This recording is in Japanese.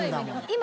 今。